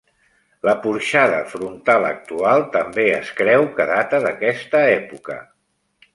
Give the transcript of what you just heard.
La porxada frontal actual també es creu que data d'aquesta època.